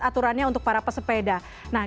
aturannya untuk para pesepeda nah